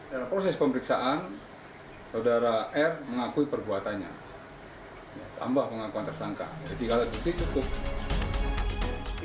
dalam proses pemeriksaan saudara r mengakui perbuatannya tambah pengakuan tersangka jadi tiga alat bukti cukup